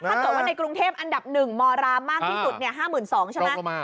ถ้าเกิดว่าในกรุงเทพอันดับ๑มรามมากที่สุด๕๒๐๐ใช่ไหม